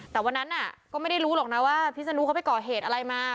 แต่วันนั้นก็ไม่ได้รู้หรอกนะว่าพิษนุเขาไปก่อเหตุอะไรมา